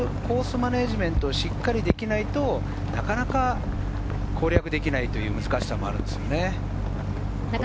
マネジメントをしっかりできないと、なかなか攻略できない難しさもあります。